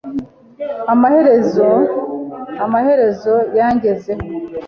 Amaherezo amaherezo yangezeho.